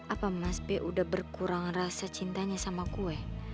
apa mas b udah berkurang rasa cintanya sama kue